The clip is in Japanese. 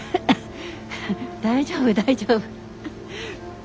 大丈夫大丈夫。